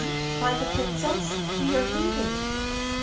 cried the Princess, "we are leaving!"